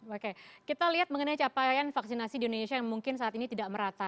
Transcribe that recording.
oke kita lihat mengenai capaian vaksinasi di indonesia yang mungkin saat ini tidak merata